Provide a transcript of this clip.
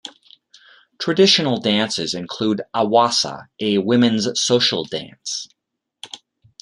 Traditional dances include "awasa", a women's social dance.